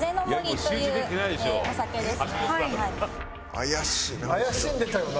怪しいな。